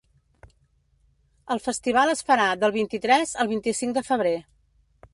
El festival es farà del vint-i-tres al vint-i-cinc de febrer.